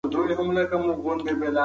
د پاڼې وجود په خاوره کې ویلې شو.